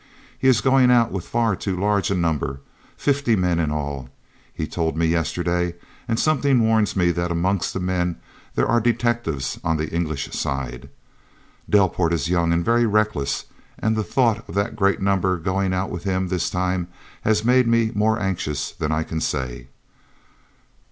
He is going out with far too large a number, fifty men in all, he told me yesterday, and something warns me that amongst the men there are detectives on the English side. Delport is young and very reckless, and the thought of the great number going out with him this time has made me more anxious than I can say."